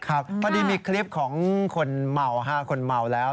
พอดีมีคลิปของคนเมาคนเมาแล้ว